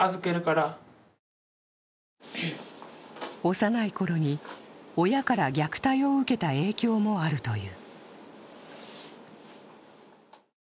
幼いころに親から虐待を受けた影響もあるという。